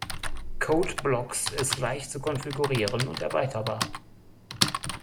Code::Blocks ist leicht zu konfigurieren und erweiterbar.